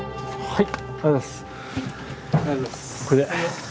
はい。